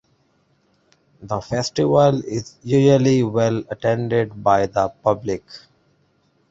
The festival is usually well attended by the public.